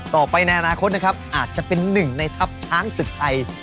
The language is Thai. ในอนาคตนะครับอาจจะเป็นหนึ่งในทัพช้างศึกไทย